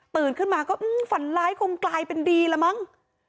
ขึ้นมาก็ฝันร้ายคงกลายเป็นดีแล้วมั้ง